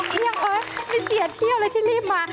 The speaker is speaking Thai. นี่ไม่เสียเที่ยวเลยที่รีบมา